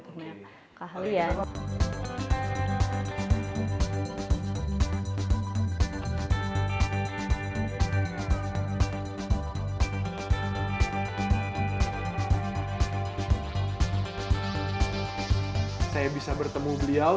saya bisa bertemu beliau